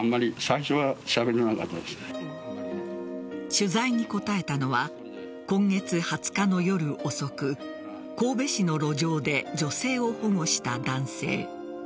取材に答えたのは今月２０日の夜遅く神戸市の路上で女性を保護した男性。